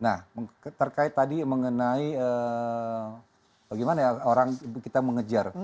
nah terkait tadi mengenai bagaimana orang kita mengejar